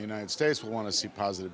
akan melihat hubungan bisnis positif